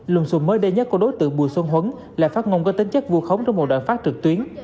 luân xuân mới đê nhất của đối tượng bùi xuân huấn là phát ngôn có tính chất vô khống trong một đoạn phát trực tuyến